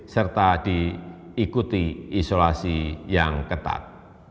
serta diikuti isolasi yang ketat